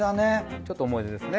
ちょっと思い出ですね